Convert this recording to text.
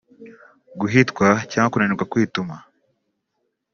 Guhitwa cyangwa kunanirwa kwituma